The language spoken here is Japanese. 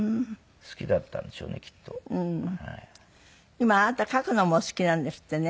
今あなた書くのもお好きなんですってね。